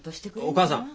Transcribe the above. お母さん。